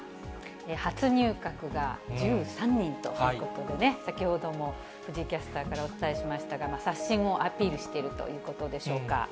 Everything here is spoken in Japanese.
初入閣が１３人ということでね、先ほども藤井キャスターからお伝えしましたが、刷新をアピールしているということでしょうか。